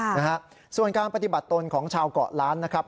ค่ะครับส่วนข้างปฏิบัติต้นของชาวเกาะล้านนะครับ